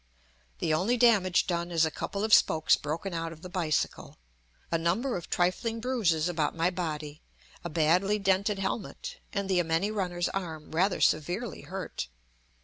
The only damage done is a couple of spokes broken out of the bicycle, a number of trifling bruises about my body, a badly dented helmet, and the yameni runner's arm rather severely hurt.